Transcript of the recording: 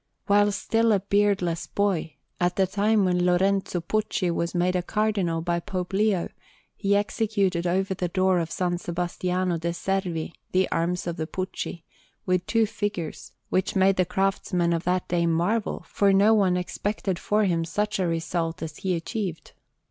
While still a beardless boy, at the time when Lorenzo Pucci was made a Cardinal by Pope Leo, he executed over the door of S. Sebastiano de' Servi the arms of the Pucci, with two figures, which made the craftsmen of that day marvel, for no one expected for him such a result as he achieved.